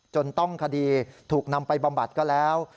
จนต้องคดีถูกนำไปบำบัดก็แล้ว